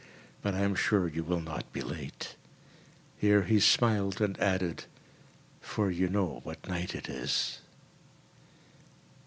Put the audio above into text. But I am sure you will not be late." Here he smiled, and added, "for you know what night it is."